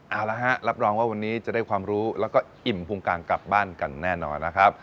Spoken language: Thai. เอาละฮะรับรองว่าวันนี้จะได้ความรู้แล้วก็อิ่มภูมิกลางกลับบ้านกันแน่นอนนะครับ